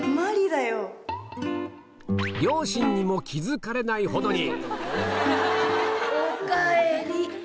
両親にも気付かれないほどにおかえり。